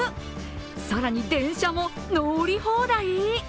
更に電車も乗り放題？